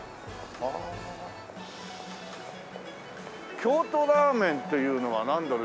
京都ラーメンっていうのはなんだろう？